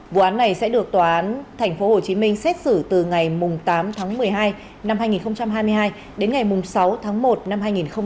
vụ án này sẽ được tòa án tp hcm xét xử từ ngày tám tháng một mươi hai năm hai nghìn hai mươi hai đến ngày sáu tháng một năm hai nghìn hai mươi ba